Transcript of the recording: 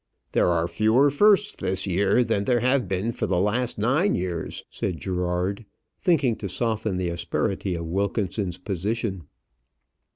"There are fewer firsts this year than there have been for the last nine years," said Gerard, thinking to soften the asperity of Wilkinson's position.